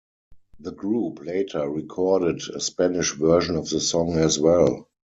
The group later recorded a Spanish version of the song as well.